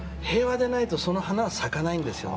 だけど、平和でないとその花は咲かないんです。